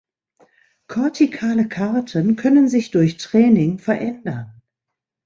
Kortikale Karten können sich durch Training verändern.